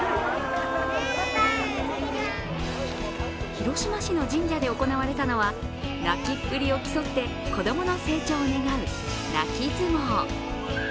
広島市の神社で行われたのは泣きっぷりを競って子供の成長を祝う、泣き相撲。